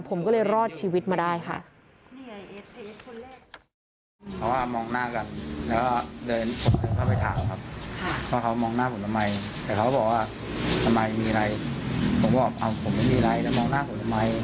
ผมบอกอ้าวผมไม่มีอะไรแต่มองหน้าผมทำไม